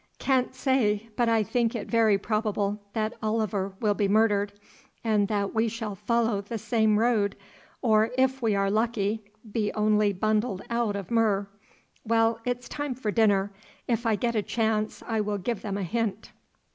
"Can't say, but I think it very probable that Oliver will be murdered, and that we shall follow the same road, or, if we are lucky, be only bundled out of Mur. Well, it's time for dinner; if I get a chance I will give them a hint."